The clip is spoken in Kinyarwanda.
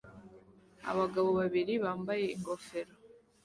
Abagabo babiri bambaye ingofero